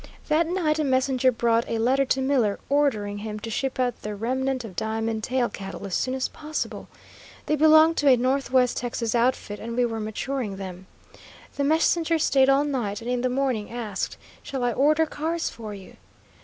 That night a messenger brought a letter to Miller, ordering him to ship out the remnant of "Diamond Tail" cattle as soon as possible. They belonged to a northwest Texas outfit, and we were maturing them. The messenger stayed all night, and in the morning asked, "Shall I order cars for you?"